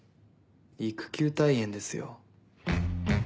育休退園ですよ。